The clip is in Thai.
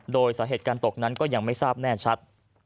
โดยสาเหตุการตกนั้นก็ยังไม่ทราบแน่ชัด